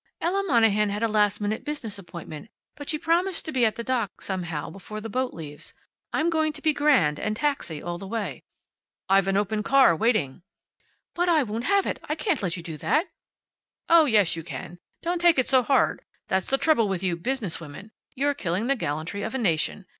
Ella Monahan had a last minute business appointment, but she promised to be at the dock, somehow, before the boat leaves. I'm going to be grand, and taxi all the way." "I've an open car, waiting." "But I won't have it! I can't let you do that." "Oh, yes you can. Don't take it so hard. That's the trouble with you business women. You're killing the gallantry of a nation.